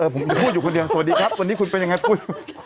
ผมจะพูดอยู่คนเดียวสวัสดีครับวันนี้คุณเป็นยังไงปุ้ย